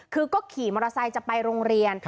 คือก็ขี่มอเตอร์ไซค์จะไปโรงเรียน